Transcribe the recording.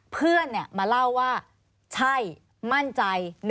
เพื่อนมาเล่าว่าใช่มั่นใจ